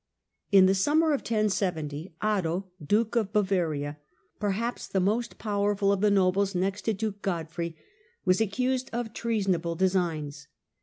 In the summer of 1070, Otto, duke of Bavaria, perhaps the most powerful of the nobles next to duke Rebellion of Godfrey, was accused of treasonable designs.